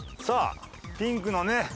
さあピンクのね